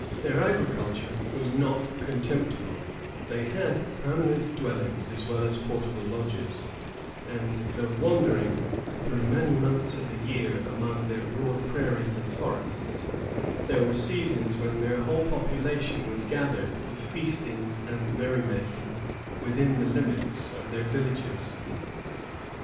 Their agriculture was not contemptible; they had permanent dwellings as well as portable lodges; and though wandering through many months of the year among their broad prairies and forests, there were seasons when their whole population was gathered, with feastings and merry making, within the limits of their villages.